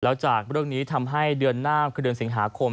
แล้วจากเรื่องนี้ทำให้เดือนหน้าคือเดือนสิงหาคม